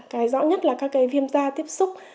cái rõ nhất là các viêm da tiếp xúc